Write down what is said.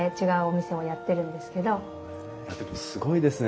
でもすごいですね